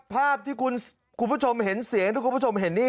ภาพที่คุณผู้ชมเห็นเสียงที่คุณผู้ชมเห็นนี่